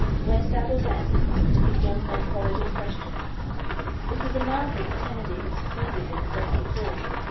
Where Stabber went his young men followed unquestioning. It was a marvel that Kennedy had succeeded in getting through.